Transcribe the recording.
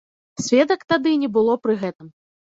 Сведак тады не было пры гэтым.